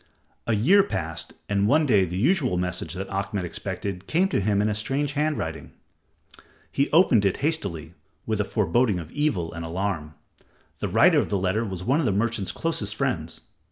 A year passed, and one day the usual message that Ahmed expected came to him in a strange hand writing. He opened it hastily, with a foreboding of evil and alarm. The writer of the letter was one of the merchant's closest friends.